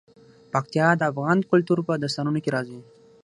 پکتیا د افغان کلتور په داستانونو کې راځي.